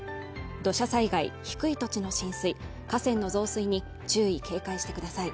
土砂災害低い土地の浸水河川の増水に注意警戒してください